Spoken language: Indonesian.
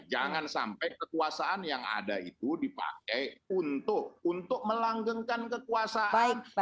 jangan sampai kekuasaan yang ada itu dipakai untuk melanggengkan kekuasaan